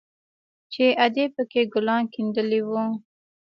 چې ادې پکښې ګلان گنډلي وو.